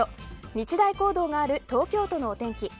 日大講堂がある東京都のお天気。